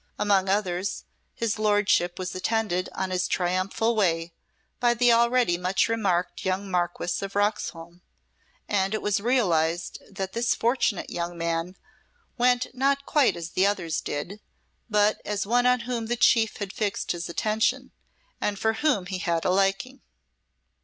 Among others, his Lordship was attended on his triumphal way by the already much remarked young Marquess of Roxholm, and it was realized that this fortunate young man went not quite as others did, but as one on whom the chief had fixed his attention, and for whom he had a liking.